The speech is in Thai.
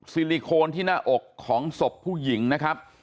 ซิลิโคนที่หน้าอกของศพผู้หญิงนะครับ